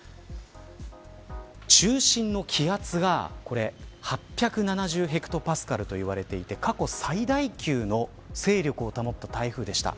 中心の気圧が８７０ヘクトパスカルといわれていて過去最大級の勢力を保った台風でした。